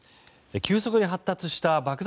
急速に発達した爆弾